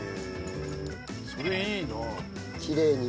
それいいな。